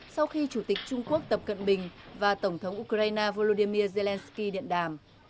sau khi chủ tịch trung quốc tập cận bình và tổng thống ukraine volodymyr zelensky điện đàm